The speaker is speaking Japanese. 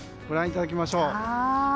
ご覧いただきましょう。